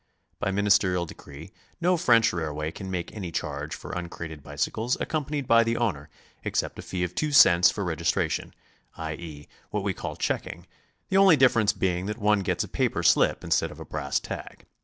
By ministerial decree no French railway can make any charge for uncrated bicycles accom panied by the owner except a fee of two cents for registra tion, i. e., what we call checking, the only difference being that one gets a paper slip instead of a brass 'tag.